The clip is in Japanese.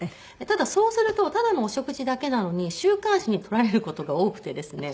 ただそうするとただのお食事だけなのに週刊誌に撮られる事が多くてですね。